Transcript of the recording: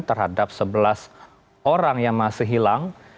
terhadap sebelas orang yang masih hilang